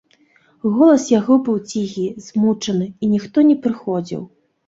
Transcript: Голас яго быў ціхі, змучаны, і ніхто не прыходзіў.